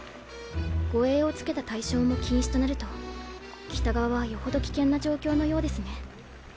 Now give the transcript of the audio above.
護衛をつけた隊商も禁止となると北側はよほど危険な状況のようですね。